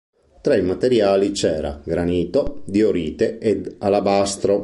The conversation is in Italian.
Tra i materiali c'era granito, diorite ed alabastro.